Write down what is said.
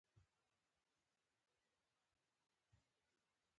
کندز سیند د افغانستان د پوهنې نصاب کې شامل دي.